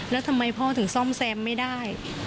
แล้วทำไมพ่อถึงซ่อมแซมไม่ได้